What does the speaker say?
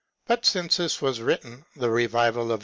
But since this was written, the revival of.